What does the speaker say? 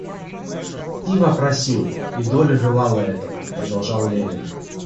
Стива просил, и Долли желала этого, — продолжал Левин.